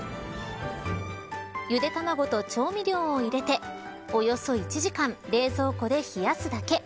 ゆで卵と調味料を入れておよそ１時間冷蔵庫で冷やすだけ。